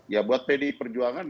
ya buat pdi perjuangan